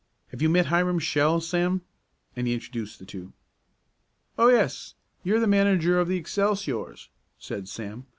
"Have you met Hiram Shell, Sam," and he introduced the two. "Oh, yes, you're the manager of the Excelsiors," said Sam.